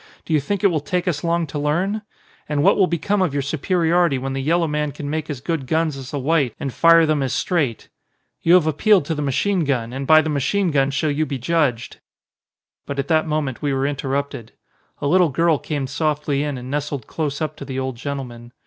Do you think it will take us long to learn? And what will be come of your superiority when the yellow man can make as good guns as the white and fire them as 153 ON A CHINESE SCREEN straight? You have appealed to the machine gun and by the machine gun shall you be judged." But at that moment we were interrupted. A little girl came softly in and nestled close up to the old gentleman.